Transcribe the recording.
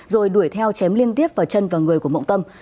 rồi đuổi theo chém liên tiếp vào chân và người của mộng tâm